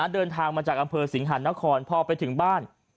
เดินทางมาจากอำเภอสิงหานครพอไปถึงบ้าน